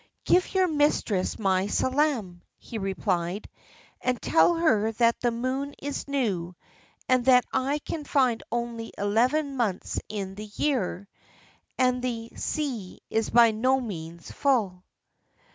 "Give your mistress my salaam," he replied, "and tell her that the moon is new, and that I can find only eleven months in the year, and the sea is by no means full."